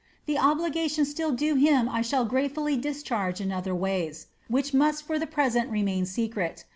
The obligation still due him I shall gratefully discharge in other ways, which must for the present remain secret.